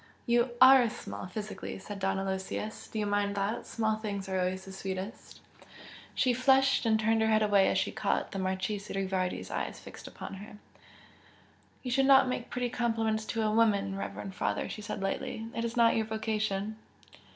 You ARE small, physically" said Don Aloysius Do you mind that? Small things are always sweetest!" She flushed, and turned her head away as she caught the Marchese Rivardi's eyes fixed upon her. "You should not make pretty compliments to a woman, reverend father!" she said, lightly "It is not your vocation!"